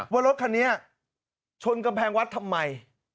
ว่ารถคันนี้ชนกำแพงวัดทำไม